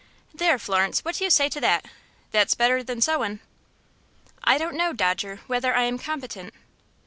"There, Florence, what do you say to that? That's better than sewin'." "I don't know, Dodger, whether I am competent."